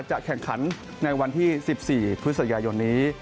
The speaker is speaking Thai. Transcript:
จะแข่งขันในวันที่๑๔พฤศจิกายนนี้